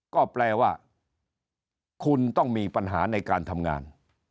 ก็แปลว่าคุณต้องมีปัญหาในการทำงาน